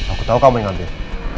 aku tahu kamu yang ngambil